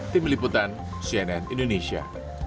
tim liputan cnn indonesia